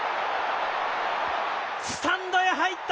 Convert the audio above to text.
スタンドへ入った！